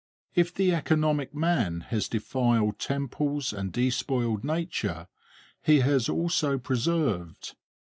If the economic man has defiled temples and despoiled nature, he has also preserved.